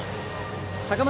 高松